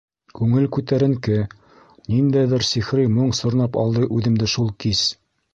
Күңел күтәренке: ниндәйҙер сихри моң сорнап алды үҙемде шул кис.